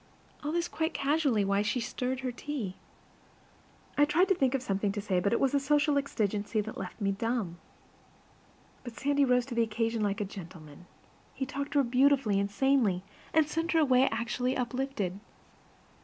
All this quite casually while she stirred her tea. I tried to think of something to say, but it was a social exigency that left me dumb. But Sandy rose to the occasion like a gentleman. He talked to her beautifully and sanely, and sent her away actually uplifted.